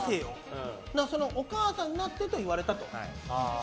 お母さんになってと言われたと。